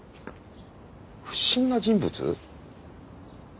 不審な人物？